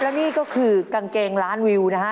แล้วนี่ก็คือกางเกงล้านวิวนะฮะ